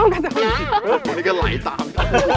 ตัวนี้ก็ไหลตาม